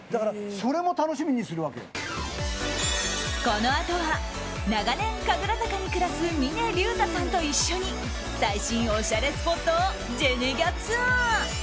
このあとは長年神楽坂に暮らす峰竜太さんと一緒に最新おしゃれスポットをジェネギャツアー。